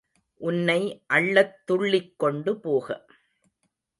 உன்னை அள்ளத் துள்ளிக்கொண்டு போக.